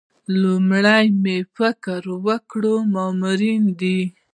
لومړی مې فکر وکړ مامورینې دي.